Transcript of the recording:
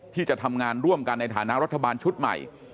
ที่จะทำงานร่วมกันในฐานะรัฐบาลชุดใหม่